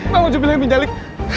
bang aku bilang ini jalik